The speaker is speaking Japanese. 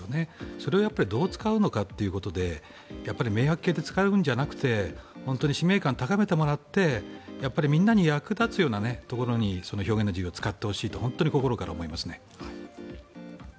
それをどう使うのかということで迷惑系で使うんじゃなくて使命感を高めてもらってみんなに役立つようなところに表現の自由を使ってほしいと本当に心から思いますね。